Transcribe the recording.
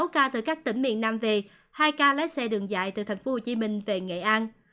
một mươi sáu ca từ các tỉnh miền nam về hai ca lái xe đường dại từ tp hcm về nghệ an